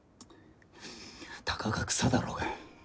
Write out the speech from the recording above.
たかが草だろうが。